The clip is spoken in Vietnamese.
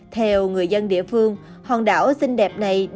theo người dân địa phương hòn đảo là một trong những hành trình đẹp nhất của nam du